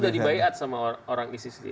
orang itu sudah dibaiat sama orang isis